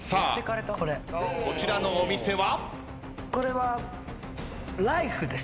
こちらのお店は？